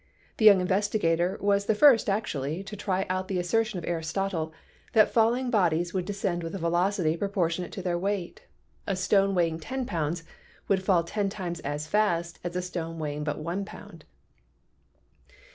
The young investigator was the first actually to try out the assertion of Aristotle that falling bodies would descend with a velocity proportionate to their weight — a stone weighing ten pounds would fall ten times as fast as a stone weighing but one pound.